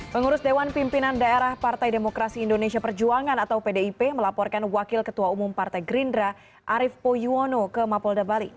pengurus dewan pimpinan daerah partai demokrasi indonesia perjuangan atau pdip melaporkan wakil ketua umum partai gerindra arief poyuwono ke mapolda bali